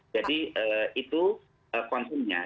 jadi itu konsumennya